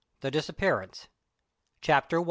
THE DISAPPEARANCE. CHAPTER I.